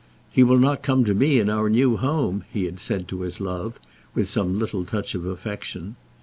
"He will not come to me in our new home," he had said to his love, with some little touch of affection.